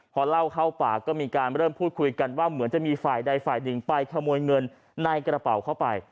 พอเล่าเข้าปากก็มีการเริ่มพูดคุยกันว่าเหมือนจะมีฝ่ายใดฝ่ายหนึ่งไปขโมยเงินในกระเป๋าเข้าไป